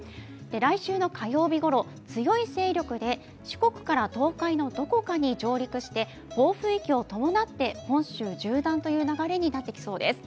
来週の火曜日ごろ、強い勢力で四国から東海のどこかに上陸して暴風域を伴って本州縦断という流れになってきそうです。